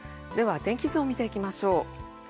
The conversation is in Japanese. では、天気図を見ていきましょう。